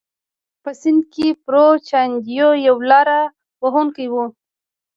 په سند کې پرو چاندیو یو لاره وهونکی و.